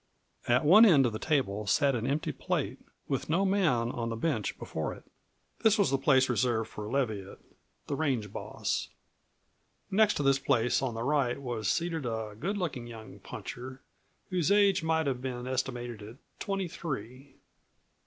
At one end of the table sat an empty plate, with no man on the bench before it. This was the place reserved for Leviatt, the range boss. Next to this place on the right was seated a goodlooking young puncher, whose age might have been estimated at twenty three.